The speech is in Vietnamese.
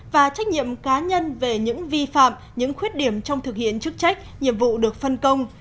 và trách nhiệm cá nhân về những vi phạm những khuyết điểm trong thực hiện chức trách nhiệm vụ được phân công